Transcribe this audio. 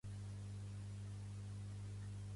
Beure amb porró fa de senyor i ser molt català.